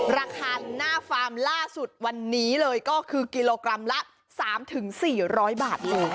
ราคาหน้าฟาร์มล่าสุดวันนี้เลยก็คือกิโลกรัมละ๓๔๐๐บาทเลย